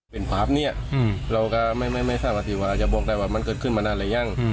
เป็นภาพนี้เราก็ไม่สามารถที่ว่าเราจะบอกได้ว่ามันเกิดขึ้นมานานหรือยัง